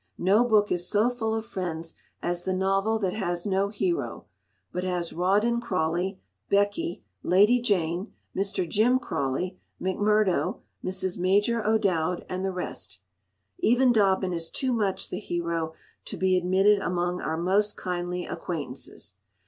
No book is so full of friends as the novel that has no hero, but has Rawdon Crawley, Becky, Lady Jane, Mr. Jim Crawley, MacMurdo, Mrs. Major O'Dowd, and the rest. Even Dobbin is too much the hero to be admitted among our most kindly acquaintances.